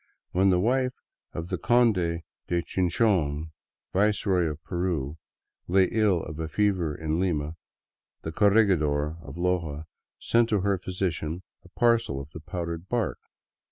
When the wife of the Conde de Chinchon, viceroy of Peru, lay ill of a fever in Lima, the corregidor of Loja sent to her physician a parcel of the powdered bark.